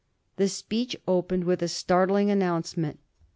The speech opened with a startling announcement.